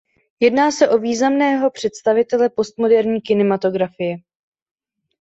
Jedná se o významného představitele postmoderní kinematografie.